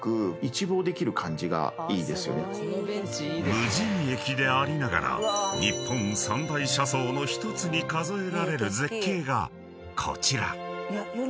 ［無人駅でありながら日本三大車窓の１つに数えられる絶景がこちら］